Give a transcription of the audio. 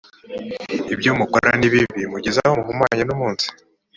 ibyo mukora ni bibi mugeze n aho muhumanya umunsi